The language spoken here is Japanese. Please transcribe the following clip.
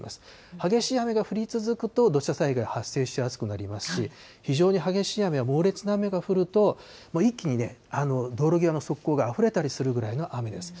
激しい雨が降り続くと、土砂災害、発生しやすくなりますし、非常に激しい雨や猛烈な雨が降ると、一気に道路際の側溝があふれたりするぐらいの雨です。